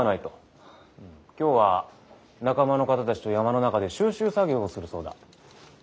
今日は仲間の方たちと山の中で収集作業をするそうだ。